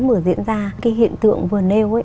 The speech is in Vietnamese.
mới diễn ra hiện tượng vừa nêu